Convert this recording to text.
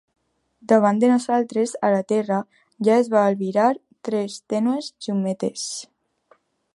Davant de nosaltres a la terra ja es va albirar tres tènues llumetes.